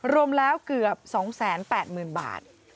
รวมแล้วเกือบ๒๘๐๐๐บาท